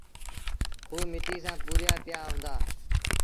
کوه مٽيٚ سآݩ پُوريآ پيآ هُݩدآ۔